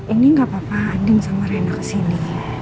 ini gak apa apa ading sama rena kesini